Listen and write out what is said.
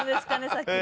さっきの。